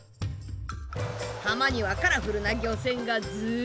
浜にはカラフルな漁船がズラリ！